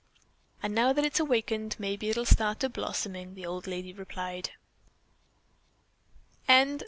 "And now that it's awakened maybe it'll start to blossoming," the old lady replied.